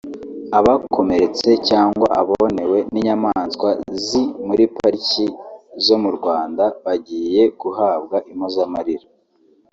abakomeretse cyangwa abonewe n’inyamaswa zi muri za piriki zo mu Rwanda bagiye guhabwa impozamarira